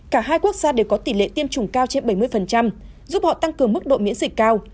cả hai quốc gia đều có tỷ lệ tiêm chủng cao trên bảy mươi giúp họ tăng cường mức độ miễn dịch cao